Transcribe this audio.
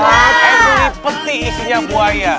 yang beli peti isinya buaya